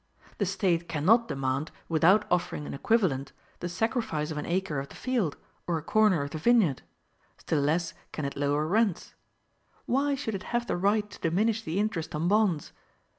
The State cannot demand, without offering an equivalent, the sacrifice of an acre of the field or a corner of the vineyard; still less can it lower rents: why should it have the right to diminish the interest on bonds?